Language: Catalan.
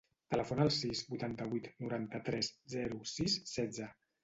Telefona al sis, vuitanta-vuit, noranta-tres, zero, sis, setze.